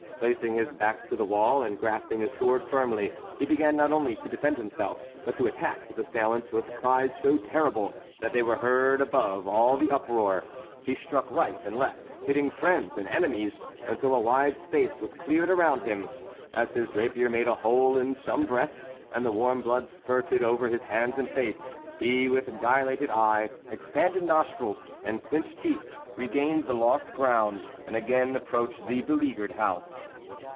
Placing his back to the wall, and grasping his sword firmly, he began not only to defend himself, but to attack his assailants, with cries so terrible that they were heard above all the uproar. He struck right and left, hitting friends and enemies, until a wide space was cleared around him. As his rapier made a hole in some breast, and the warm blood spurted over his hands and face, he, with dilated eye, expanded nostrils, and clinched teeth, regained the ground lost, and again approached the beleaguered house.